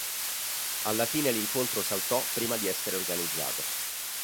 Alla fine l'incontro saltò prima di essere organizzato.